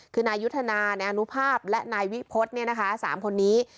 คือนายุธนานานุภาพและนายวิพฤติสามคนนี้